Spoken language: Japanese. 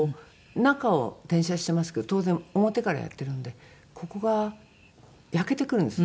中を点射してますけど当然表からやってるんでここが焼けてくるんですよ。